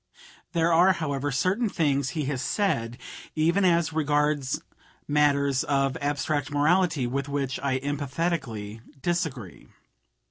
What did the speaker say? There are, however, certain things he has said, even as regards matters of abstract morality, with which I emphatically disagree.